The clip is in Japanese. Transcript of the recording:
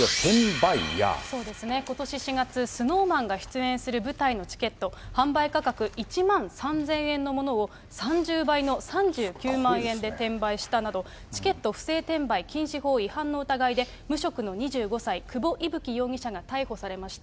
そうですね、ことし４月、ＳｎｏｗＭａｎが出演する舞台のチケット、販売価格１万３０００円のものを、３０倍の３９万円で転売したなど、チケット不正転売禁止法違反の疑いで無職の２５歳、久保威吹容疑者が逮捕されました。